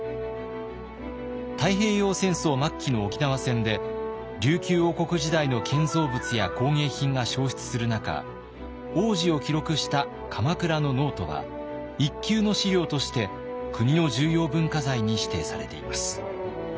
太平洋戦争末期の沖縄戦で琉球王国時代の建造物や工芸品が焼失する中往時を記録した鎌倉のノートは一級の資料として国の重要文化財に指定されています。